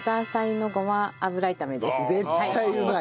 絶対うまい。